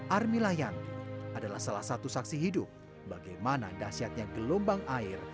army layan adalah salah satu saksi hidup bagaimana dahsyatnya gelombang air